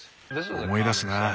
思い出すなぁ